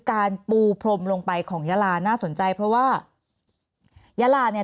การปูพรมลงไปของยาลาน่าสนใจเพราะว่ายาลาเนี่ย